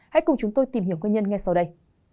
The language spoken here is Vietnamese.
hãy cùng chúng tôi tìm hiểu nguyên nhân ngay sau đây